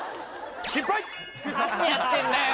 何やってんだよ！